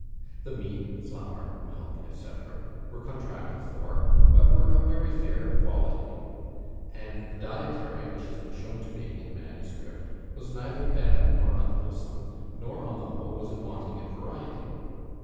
The meat, flour, milk, &c., were contracted for, but were of very fair quality; and the dietary, which has been shown to me in manuscript, was neither bad nor unwholesome; nor, on the whole, was it wanting in variety.